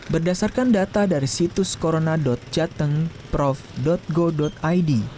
berdasarkan data dari situs corona jatengprof go id